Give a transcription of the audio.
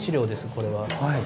これは。